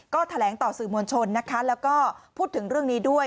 ก็แถลงต่อสื่อมวลชนนะคะแล้วก็พูดถึงเรื่องนี้ด้วย